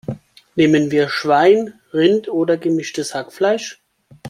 Nehmen wir Schwein, Rind oder gemischtes Hackfleisch?